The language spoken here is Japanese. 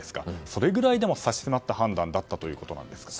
それぐらい差し迫った判断だったということですか。